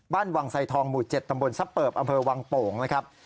วังไซทองหมู่๗ตำบลซับเปิบอำเภอวังโป่งนะครับ